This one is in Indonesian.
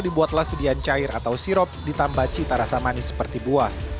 dibuatlah sedian cair atau sirup ditambah citarasa manis seperti buah